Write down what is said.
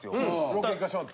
ロケ行かしてもらって。